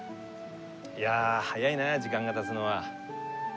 いやあ早いな時間がたつのは。